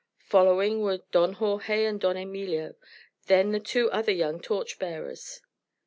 Following were Don Jorge and Don Emilio, then the two other young torch bearers.